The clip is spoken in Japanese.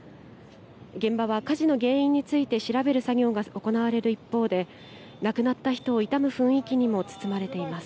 現場は火事の原因について調べる作業が行われる一方で亡くなった人を悼む雰囲気にも包まれています。